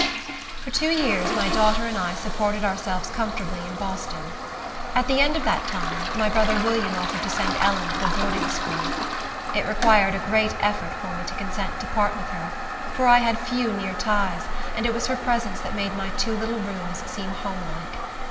For two years my daughter and I supported ourselves comfortably in Boston. At the end of that time, my brother William offered to send Ellen to a boarding school. It required a great effort for me to consent to part with her, for I had few near ties, and it was her presence that made my two little rooms seem home like.